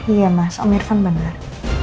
iya mas om irfan benar